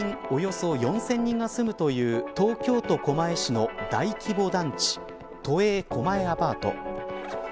およそ４０００人が住むという東京都狛江市の大規模団地都営狛江アパート。